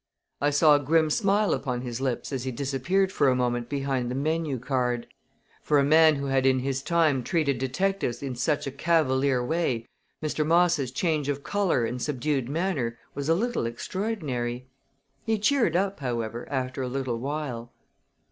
I saw a grim smile upon his lips as he disappeared for a moment behind the menu card. For a man who had in his time treated detectives in such a cavalier way, Mr. Moss' change of color and subdued manner was a little extraordinary. He cheered up, however, after a little while.